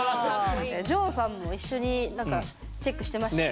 ＪＯさんも一緒にチェックしてましたね